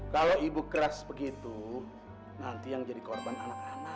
kalau ibu keras begitu nanti yang jadi korban anak anak